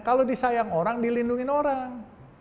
kalau disayang orang dilindungi orang